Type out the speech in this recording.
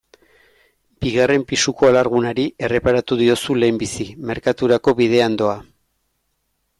Bigarren pisuko alargunari erreparatu diozu lehenbizi, merkaturako bidean doa.